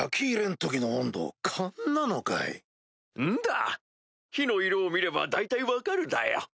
んだ火の色を見れば大体分かるだよ。